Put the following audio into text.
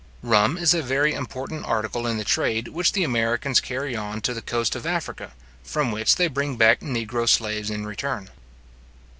Rum is a very important article in the trade which the Americans carry on to the coast of Africa, from which they bring back negro slaves in return.